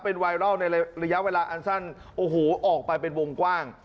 เป็นไวรัลในระยะเวลาอันสั้นโอ้โหออกไปเป็นวงกว้าง